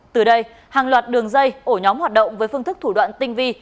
từ đây hàng loạt đường dây ổ nhóm hoạt động với phương thức thủ đoạn tinh vi